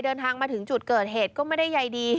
เดินทางมาถึงจุดเกิดเหตุก็ไม่ได้ใยดี